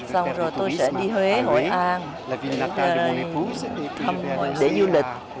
xong rồi tôi sẽ đi huế hội an để thăm để du lịch